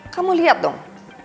kamu lihat dong